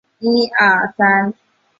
其物种绝大多数原生于西北太平洋。